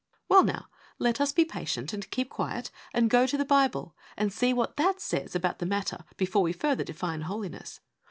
Well, now, let us be patient, and keep quiet, and go to the Bible, and see what that says about the matter before we further define Holiness.